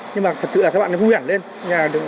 nhưng mà thật sự là các bạn nó vui hẳn lên